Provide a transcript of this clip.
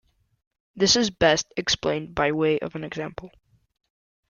This is best explained by way of an example.